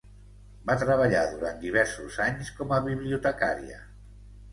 Va treballar durant diversos anys com a bibliotecària.